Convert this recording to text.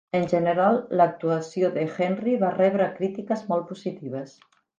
En general, l'actuació de Henry va rebre crítiques molt positives.